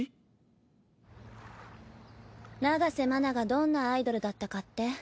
長瀬麻奈がどんなアイドルだったかって？